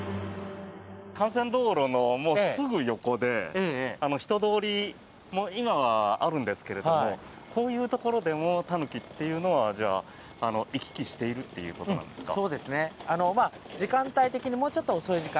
幹線道路のすぐ横で人通りも今はあるんですけどもこういうところでもタヌキというのは行き来しているということなんですか？